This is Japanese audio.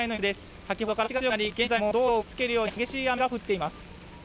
先ほどから雨足が強くなり、現在も道路を打ちつけるように激しい雨が降っています。